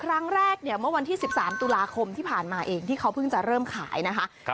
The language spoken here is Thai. ครั้งแรกเนี่ยเมื่อวันที่๑๓ตุลาคมที่ผ่านมาเองที่เขาเพิ่งจะเริ่มขายนะคะ